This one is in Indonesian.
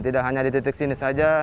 tidak hanya di titik sini saja